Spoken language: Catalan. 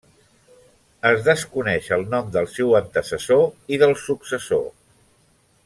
Es desconeix el nom del seu antecessor i del successor.